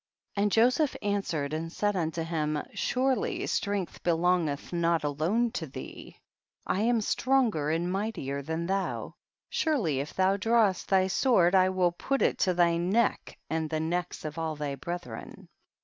11. And Joseph answered and said unto him, surely strength be longeth not alone lo thee ; I am stronger and mightier than thou ; surely if thou drawest thy sword I will put it to thy neck and the necks of all thy brethren.